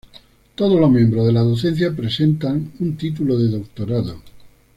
Todos los miembros de la docencia presentan un título de doctorado.